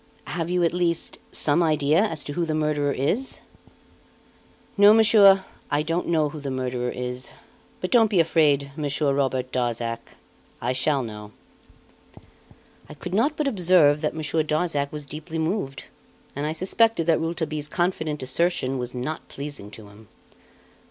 "Have you, at least, some idea as to who the murderer is?" "No, monsieur, I don't know who the murderer is; but don't be afraid, Monsieur Robert Darzac I shall know." I could not but observe that Monsieur Darzac was deeply moved; and I suspected that Rouletabille's confident assertion was not pleasing to him.